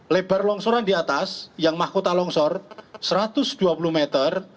lebar longsoran di atas yang mahkota longsor satu ratus dua puluh meter